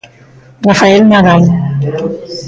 Rafael Nadal.